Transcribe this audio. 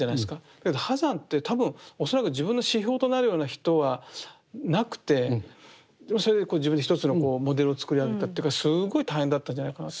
だけど波山って多分恐らく自分の指標となるような人はなくてそれで自分で一つのモデルをつくり上げたというかすごい大変だったんじゃないかなと思うんです。